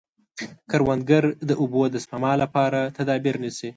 کروندګر د اوبو د سپما لپاره تدابیر نیسي